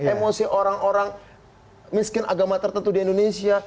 emosi orang orang miskin agama tertentu di indonesia